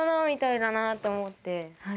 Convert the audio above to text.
みたいだなと思って。